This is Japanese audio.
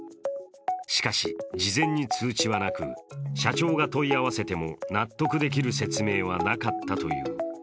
しかし、事前に通知はなく、社長が問い合わせても納得できる説明はなかったという。